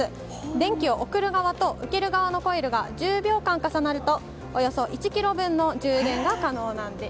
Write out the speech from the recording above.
電気を送る側と受ける側のコイルが１０秒間重なるとおよそ１ｋｍ分の充電が可能なんです。